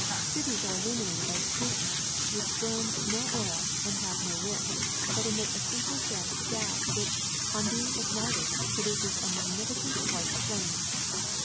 Cities are illuminated by street lamps which bum no oil and have no wick, but emit a simple jet of gas which, on being ignited, produces a magnificent white flame.